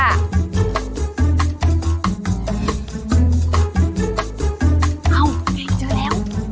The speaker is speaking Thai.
เอ้าเจอแล้ว